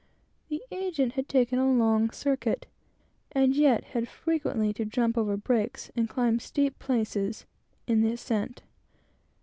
The agent had taken a long circuit, and yet had frequently to jump over breaks, and climb up steep places, in the ascent.